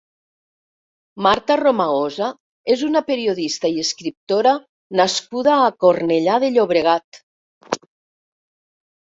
Marta Romagosa és una periodista i escriptora nascuda a Cornellà de Llobregat.